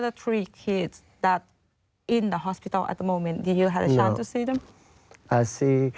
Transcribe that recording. ก็คิดว่าคุณคือที่สังคมของคุณ๓คนที่บาดเจ็บได้